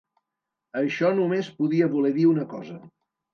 Això només podia voler dir una cosa